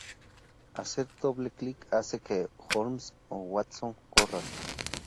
Hacer doble clic hace que Holmes o Watson corran.